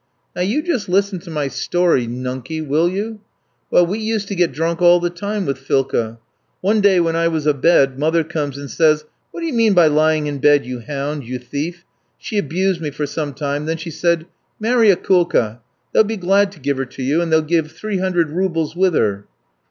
"Now you just listen to my story, nunky, will you? Well, we used to get drunk all the time with Philka. One day when I was abed, mother comes and says: "'What d'ye mean by lying in bed, you hound, you thief!' She abused me for some time, then she said, 'Marry Akoulka. They'll be glad to give her to you, and they'll give three hundred roubles with her.'